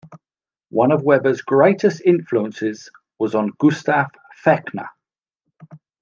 One of Weber's greatest influences was on Gustav Fechner.